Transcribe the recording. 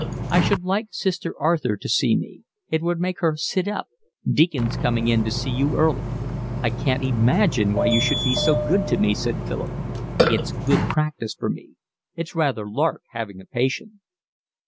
"I should like Sister Arthur to see me. It would make her sit up. Deacon's coming in to see you early." "I can't imagine why you should be so good to me," said Philip. "It's good practice for me. It's rather a lark having a patient."